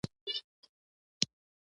دین داسې تفسیر وړاندې کړو.